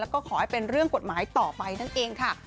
แล้วก็ขอให้เป็นเรื่องกฎหมายต่อไปนั่นเองค่ะ